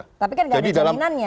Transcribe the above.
tapi kan gak ada jaminannya